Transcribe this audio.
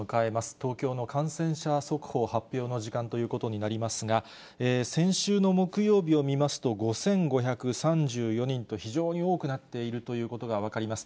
東京の感染者速報発表の時間ということになりますが、先週の木曜日を見ますと、５５３４人と、非常に多くなっているということが分かります。